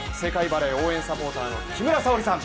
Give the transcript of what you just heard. バレー応援サポーターの木村沙織さん。